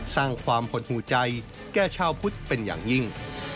สร้างความหดหูใจแก้ชาวพุทธเป็นอย่างยิ่ง